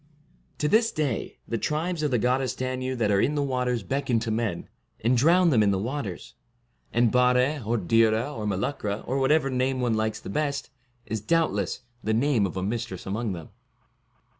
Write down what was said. To this day the Tribes of the Goddess Danu that are in the waters beckon to men, and drown them in the waters; and Bare, or Dhira, or Meluchra, or whatever name one likes the best, is, doubt less, the name of a mistress among them.